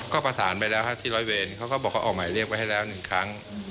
ก็ประสานไปแล้วที่ร้อยเวรเขาก็บอกเขาออกหมายเรียกไว้ให้แล้ว๑ครั้ง